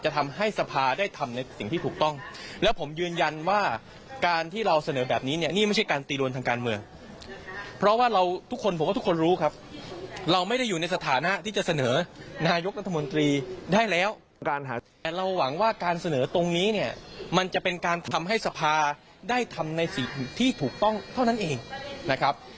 ทำให้สภาได้ทำในสิ่งที่ถูกต้องเท่านั้นเองนะครับ